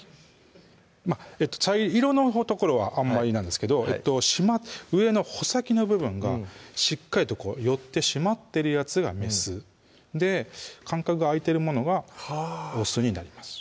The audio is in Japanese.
色のところはあんまりなんですけど上の穂先の部分がしっかりと寄って閉まってるやつがメス間隔が空いてるものがオスになります